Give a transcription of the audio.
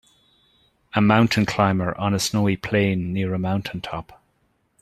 A mountain climber on a snowy plain near a mountaintop.